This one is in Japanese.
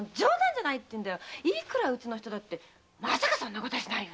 いくらうちの人だってそんなことしないよね？